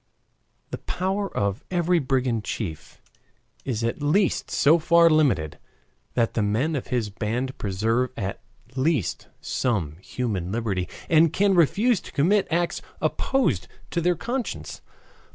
The power of every brigand chief is at least so far limited that the men of his band preserve at least some human liberty, and can refuse to commit acts opposed to their conscience.